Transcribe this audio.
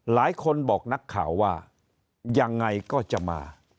หลายคนบอกนักข่าวว่ายังไงก็จะมา